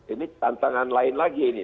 ini tantangan lain lagi ini